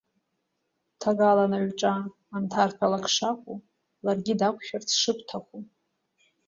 Ҭагалан аҩҿа анҭарҭәалак шакәу, ларгьы дақәшәарц шыбҭаху!